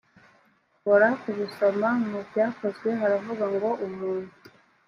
bora kubisoma mu byakozwe haravuga ngo umuntu